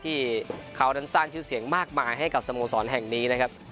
ที่เขานั้นสร้างชื่อเสียงมากมายให้กับสโมสรแห่งนี้นะครับ